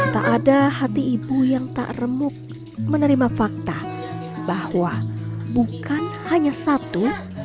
tak ada hati ibu yang tak remuk menerima fakta bahwa bukan hanya satu